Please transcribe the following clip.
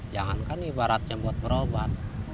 jangankan ibaratnya buat berobat